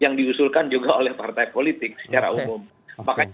yang diusulkan juga oleh partai politik secara umum